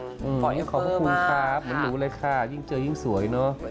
ขอให้ขอบพระคุณครับเหมือนหนูเลยค่ะยิ่งเจอยิ่งสวยเนอะ